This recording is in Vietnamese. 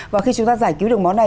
và khi chúng ta giải cứu được món này